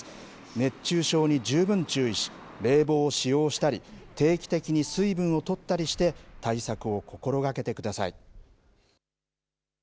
熱中症に十分注意し冷房を使用したり定期的に水分を取ったりして対策を心がけてください。